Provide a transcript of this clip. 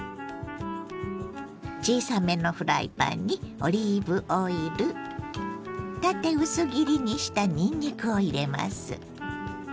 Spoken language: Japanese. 小さめのフライパンにオリーブオイル縦薄切りにしたにんにくを入れます。